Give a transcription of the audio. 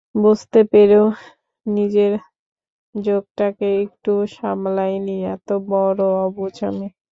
বুঝতে পেরেও নিজের ঝোঁকটাকে একটুও সামালাই নি, এতবড়ো অবুঝ আমি।